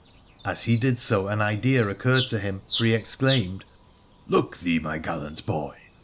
As he did so an idea occurred to him, for he exclaimed, ' Look thee, my gallant boy